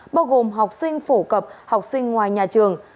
bao gồm học sinh phổ cập học sinh ngoài nhà trường